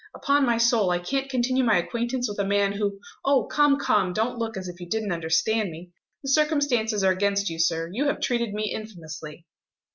Upon my soul, I can't continue my acquaintance with a man who oh, come! come! don't look as if you didn't understand me. The circumstances are against you, sir. You have treated me infamously."